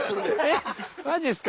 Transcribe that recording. えっマジっすか？